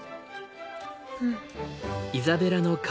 うん。